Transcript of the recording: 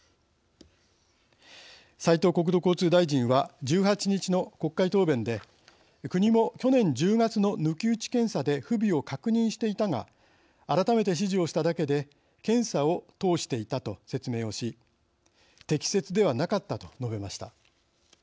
斉藤国土交通大臣は１８日の国会答弁で国も去年１０月の抜き打ち検査で不備を確認していたが改めて指示をしただけで検査を通していたと説明をし「適切ではなかった」と述べました。